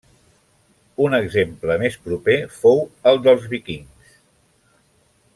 Un exemple més proper fou els dels Vikings.